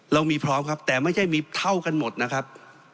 เรามีพร้อมครับแต่ไม่ใช่มีเท่ากันหมดนะครับ